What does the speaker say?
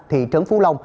thị trấn phú long